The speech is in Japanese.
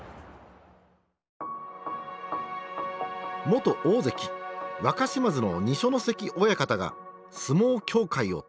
元大関若嶋津の二所ノ関親方が相撲協会を定年。